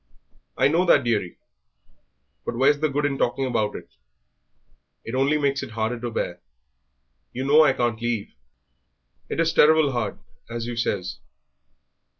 "I know that, dearie; but where's the good in talking about it? It only makes it harder to bear. You know I can't leave. It is terrible hard, as you says."